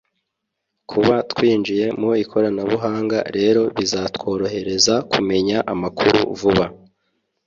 kuba twinjiye mu ikoranabuhanga rero bizatworohereza kumenya amakuru vuba